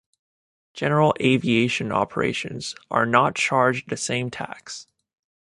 General aviation operations are not charged the same tax.